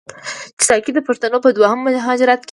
چې ساکي پښتنو په دویم مهاجرت کې،